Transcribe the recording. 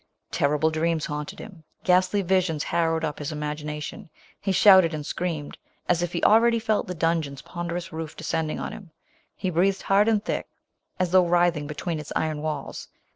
Terrible dreams haunted him — ghastly visions har rowed up his imagination — he shout ed and screamed, as if he already felt the dungeon's ponderous roof descending on him — he breathed hard and thick, as though writhing between its iron walls.